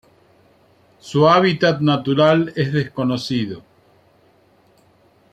Su hábitat natural es desconocido.